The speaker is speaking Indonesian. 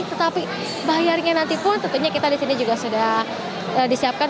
tetapi bayarnya nanti pun tentunya kita di sini juga sudah disiapkan